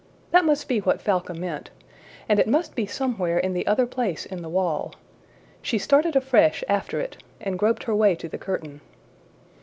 That must be what Falca meant and it must be somewhere in the other place in the wall. She started afresh after it, and groped her way to the curtain.